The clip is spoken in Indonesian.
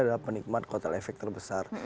adalah penikmat kotel efek terbesar